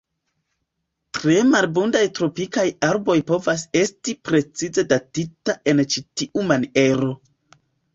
Tre malabundaj tropikaj arboj povas esti precize datita en ĉi tiu maniero.